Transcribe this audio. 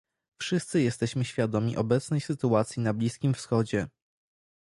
Wszyscy jesteśmy świadomi obecnej sytuacji na Bliskim Wschodzie